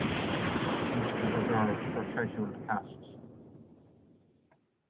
The seat is reserved for scheduled castes.